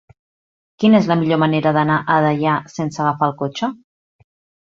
Quina és la millor manera d'anar a Deià sense agafar el cotxe?